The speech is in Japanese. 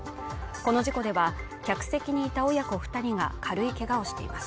この事故では客席にいた親子二人が軽いけがをしています